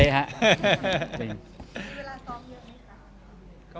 มีเวลาซ้อมเยอะไหมคะ